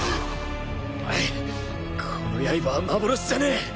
この刃は幻じゃねえ！